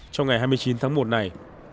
trong ngày hai mươi chín tháng một này